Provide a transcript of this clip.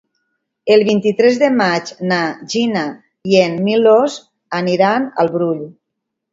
El vint-i-tres de maig na Gina i en Milos aniran al Brull.